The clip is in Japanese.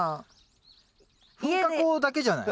噴火口だけじゃない？